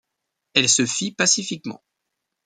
Elle se fit pacifiquement.